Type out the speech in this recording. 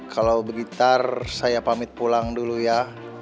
kalau blitar saya pamit pulang dulu ya